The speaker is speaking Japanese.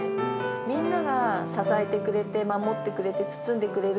みんなが支えてくれて、守ってくれて、包んでくれる。